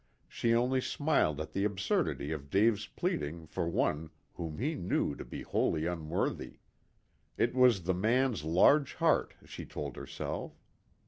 She only smiled at the absurdity of Dave pleading for one whom he knew to be wholly unworthy. It was the man's large heart, she told herself.